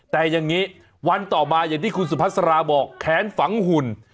แต่วันต่อมาอย่างที่คุณสุภัฎษราบอกแขนฝังหุ่น